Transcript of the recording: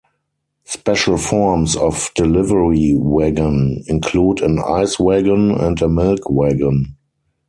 Special forms of delivery wagon include an ice wagon and a milk wagon.